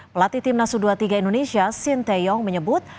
pelatih timnas u dua puluh tiga indonesia sinteyong menyebut